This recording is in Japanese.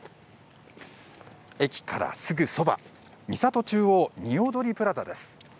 駅からすぐそば、三郷中央におどりプラザです。